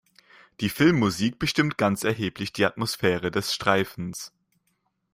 Die Filmmusik bestimmt ganz erheblich die Atmosphäre des Streifens.